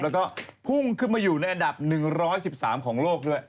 แล้วก็พุ่งขึ้นมาอยู่ในอันดับ๑๑๓ของโลกด้วย